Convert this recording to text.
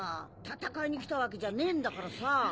戦いに来たわけじゃねえんだからさ。